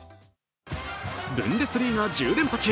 ブンデスリーガ１０連覇中。